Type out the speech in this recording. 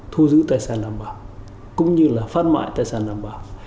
thu giữ tài sản đảm bảo cũng như là phát mại tài sản đảm bảo